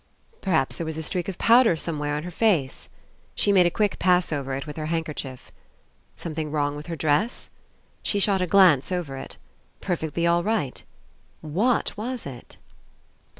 Perhaps there was a streak of powder somewhere on her face. She made a quick pass over it with her handkerchief. Some thing wrong with her dress? She shot a glance over it. Perfectly all right. What was it?